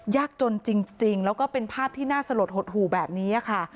ยากจนจริงแล้วก็เป็นภาพที่น่าสลดหดหู่แบบนี้ค่ะ